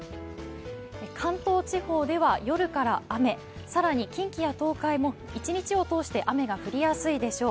関東地方では夜から雨、更に近畿や東海も一日を通して雨が降りやすいでしょう。